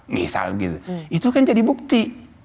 misal gitu itu kan jadi bukti